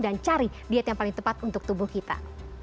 dan cari diet yang paling tepat untuk tubuh kita